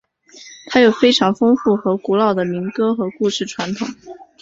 它有非常丰富和古老的民歌和故事传统。